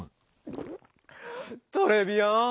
トレビアーン！